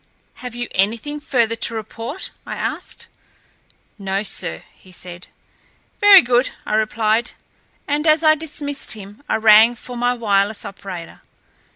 "Have you anything further to report?" I asked. "No, sir," he said. "Very good," I replied; and, as I dismissed him, I rang for my wireless operator.